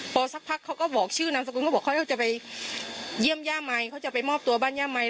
พอสักพักเขาก็บอกชื่อนามสกุลเขาบอกเขาจะไปเยี่ยมย่าใหม่เขาจะไปมอบตัวบ้านย่าใหม่